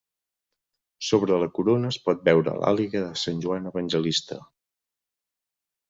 Sobre la corona es pot veure l'àliga de Sant Joan evangelista.